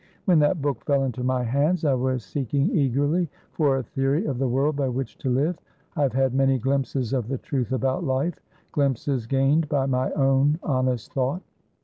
When that book fell into my hands, I was seeking eagerly for a theory of the world by which to live. I have had many glimpses of the truth about lifeglimpses gained by my own honest thought.